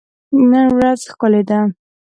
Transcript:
نن ورځ ښکلي ده.